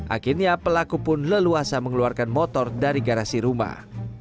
akhirnya pelaku pencuri motor yang tersebut tidak bisa keluar rumah